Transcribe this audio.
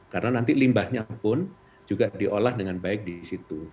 karena nanti limbahnya pun juga diolah dengan baik di situ